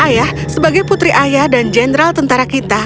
ayah sebagai putri ayah dan jenderal tentara kita